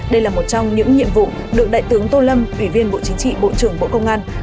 đây là một trong những nhiệm vụ được đại tướng tô lâm ủy viên bộ chính trị bộ trưởng bộ công an